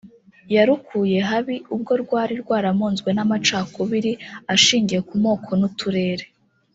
yarukuye habi ubwo rwari rwaramunzwe n’amacakubiri ashingiye ku moko n’uturere